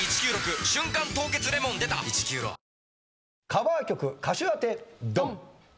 カバー曲歌手当てドン！